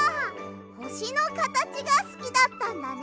ほしのかたちがすきだったんだね。